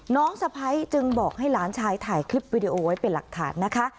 สะพ้ายจึงบอกให้หลานชายถ่ายคลิปวิดีโอไว้เป็นหลักฐานนะคะ